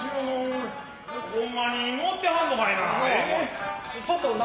ホンマに乗ってはんのかいな。